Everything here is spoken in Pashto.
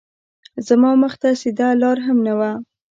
زما مخ ته سیده لار هم نه وه